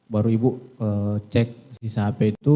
baru ibu cek sisa hp itu